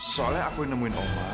soalnya aku yang nemuin allah